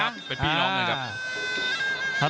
ครับเป็นพี่น้องนึงครับ